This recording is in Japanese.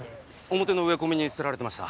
表の植え込みに捨てられてました。